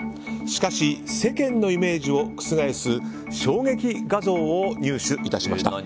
しかし世間のイメージを覆す衝撃画像を入手致しました。